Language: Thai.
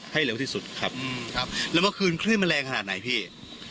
ให้เร็วที่สุดครับอืมครับแล้วว่าคืนขึ้นมันแรงขนาดไหนพี่